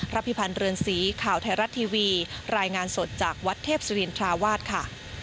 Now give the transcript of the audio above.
พิพันธ์เรือนสีข่าวไทยรัฐทีวีรายงานสดจากวัดเทพศิรินทราวาสค่ะ